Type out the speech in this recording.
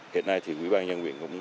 hiện nay thì quỹ ban nhân quyền cũng